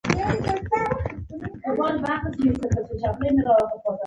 ځوانانو ته پکار ده چې، جنګ مخنیوی وکړي